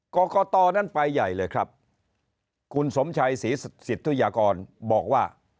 กรกตนั้นไปใหญ่เลยครับคุณสมชัยศรีสิทธิยากรบอกว่า